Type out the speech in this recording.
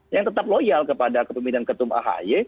yang tetap loyal kepada kepemimpinan ketum ahy